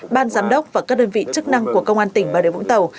ban giám đốc và các đơn vị chức năng của công an tỉnh bà điều vũng tàu